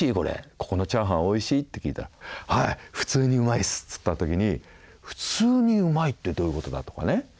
ここのチャーハンおいしい？」って聞いたら「はい普通にウマいっス」っつった時に「普通にウマいってどういう事だ？」とかね。